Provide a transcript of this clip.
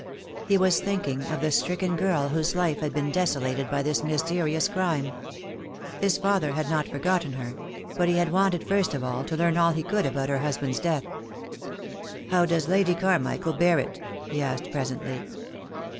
He was thinking of the stricken girl whose life had been desolated by this mysterious crime. His father had not forgotten her; but he had wanted, first of all, to learn all he could about her husband's death. THE DAY WILL COME. 87 "How does Lady Carmichael bear it?" he asked presently.